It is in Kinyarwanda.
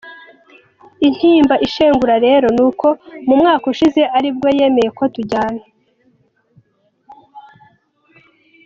Intimba inshengura rero, nuko mu mwaka ushize aribwo yemeye ko tujyana.